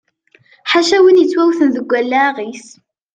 Ḥaca win yettwawten deg allaɣ-is.